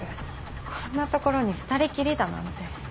こんな所に２人きりだなんて。